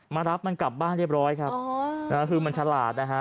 มารับมันกลับบ้านเรียบร้อยครับคือมันฉลาดนะฮะ